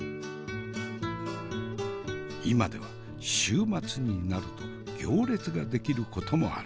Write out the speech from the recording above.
今では週末になると行列ができることもある。